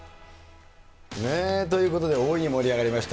ということで、大いに盛り上がりました。